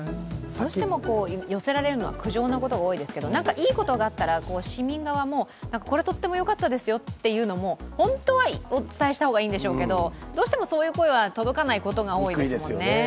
どうしても寄せられるのは苦情のことが多いですけど、いいことがあったら市民側もこれとってもよかったですよというのを本当はお伝えした方がいいんでしょうけど、どうしてもそういう声は届かないことが多いですもんね。